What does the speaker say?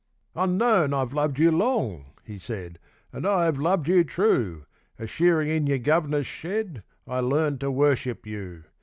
'Unknown I've loved you long,' he said, 'And I have loved you true A shearing in your guv'ner's shed I learned to worship you.